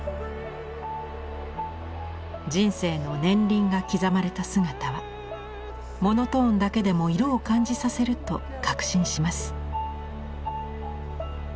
人生の年輪が刻まれた姿はモノトーンだけでも色を感じさせると確信します。